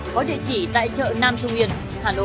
có địa chỉ tại chợ nam trung yên hà nội